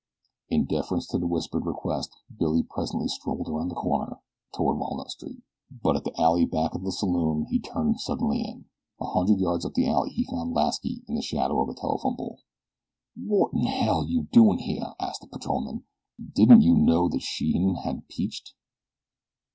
In deference to the whispered request Billy presently strolled around the corner toward Walnut Street, but at the alley back of the saloon he turned suddenly in. A hundred yards up the alley he found Lasky in the shadow of a telephone pole. "Wotinell are you doin' around here?" asked the patrolman. "Didn't you know that Sheehan had peached?"